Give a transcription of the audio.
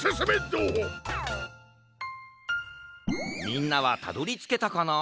みんなはたどりつけたかな？